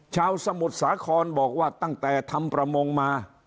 สมุทรสาครบอกว่าตั้งแต่ทำประมงมา